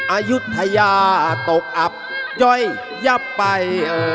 อายุทยาตกอับย่อยยับไป